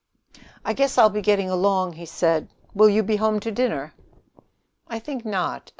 "I guess I'll be getting along," he said. "Will you be home to dinner?" "I think not.